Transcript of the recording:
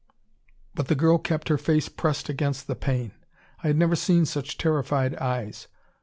But the girl kept her face pressed against the pane. I had never seen such terrified eyes.